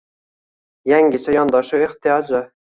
Yangicha yondashuv ehtiyoji